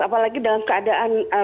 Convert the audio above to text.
apalagi dalam keadaan